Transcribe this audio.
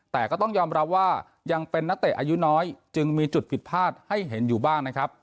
แต่ก็ต้องยอมรับว่ายังเป็นนักเตะอายุน้อยจึงมีจุดผิดพลาดให้เห็นอยู่บ้างนะครับ